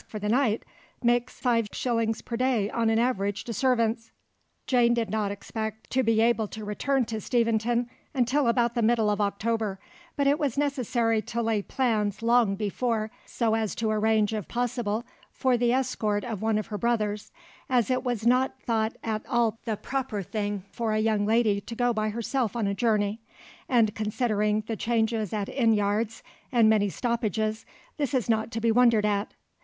for the night, makes 5s. per day on an average to servants." Jane did not expect to be able to return to Steventon until about the middle of October, but it was necessary to lay plans long before so as to arrange if possible for the escort of one of her brothers, as it was not thought at all the proper thing for a young lady to go by herself on a journey, and considering the changes at inn yards and many stoppages, this is not to be wondered at.